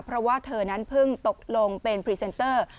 เพราะว่าเธอนั้นเพิ่งตกลงเป็นพรีเซนเตอร์